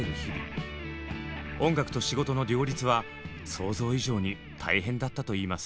音楽と仕事の両立は想像以上に大変だったといいます。